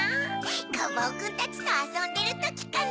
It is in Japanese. カバオくんたちとあそんでるときかな。